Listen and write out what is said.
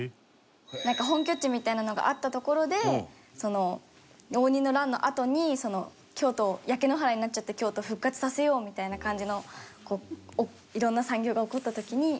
なんか本拠地みたいなのがあった所でその応仁の乱のあとに京都焼け野原になっちゃった京都を復活させようみたいな感じのいろんな産業が興った時にあったみたいな。